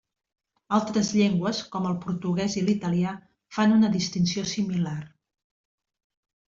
Altres llengües, com el portuguès i l'italià, fan una distinció similar.